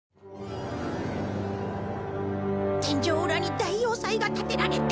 天井うらに大要塞が建てられている。